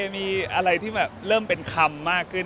มีอะไรที่แบบเริ่มเป็นคำมากขึ้น